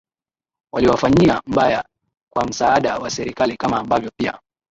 waliwafanyia mbaya kwa msaada wa Serikali Kama ambavyo pia